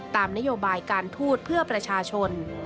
ตามนโยบายการทูตเพื่อประชาชน